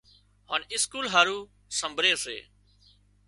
هانَ اسڪول هارو سمڀري سي۔